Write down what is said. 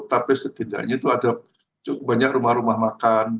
tapi setidaknya itu ada cukup banyak rumah rumah makan